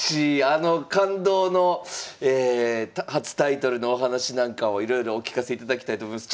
あの感動の初タイトルのお話なんかをいろいろお聞かせいただきたいと思います。